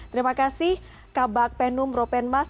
terima kasih kabak penum ropenmas